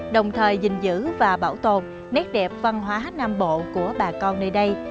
đồng thời giữ và bảo tồn nét đẹp văn hóa nam bộ của bà con nơi đây